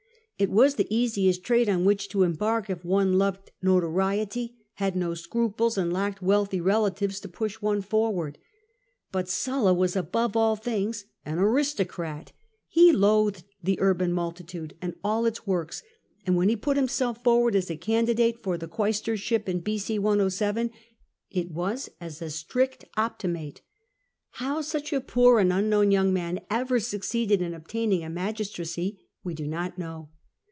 It was the easiest trade on which to embark if one loved notoriety, had no scruples, and lacked wealthy relatives to push one forward. But Sulla was above all things an aristocrat : he loathed the urban multitude and all its works, and when he put himself forward as a candidate for the quaestorship in B.C. 107, it was as a strict Optimate. How such a poor and unknown young man ever succeeded in obtaining a magistracy w© do not know.